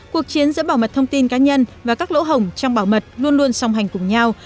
cuộc chiến giữa bảo mật thông tin cá nhân và các lỗ hổng trong bảo mật luôn luôn song hành cùng nhau